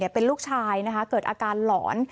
เป็นลูกชายเกิดอาการหลอน